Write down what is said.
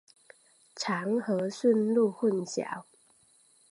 常和驯鹿混淆。